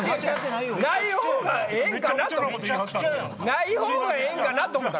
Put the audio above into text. ないほうがええんかな？と思って。